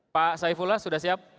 pak saifullah sudah siap